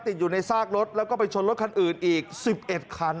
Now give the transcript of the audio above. ติดอยู่ในซากรถแล้วก็ไปชนรถคันอื่นอีก๑๑คัน